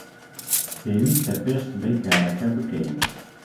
پێویستە پێش سبەی کارەکە بکەین.